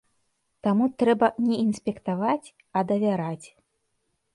Таму трэба не інспектаваць, а давяраць.